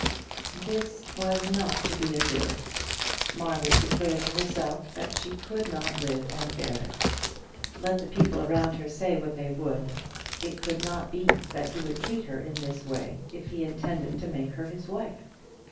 This was not to be endured. Margaret declared to herself that she could not live and bear it. Let the people around her say what they would, it could not be that he would treat her in this way if he intended to make her his wife.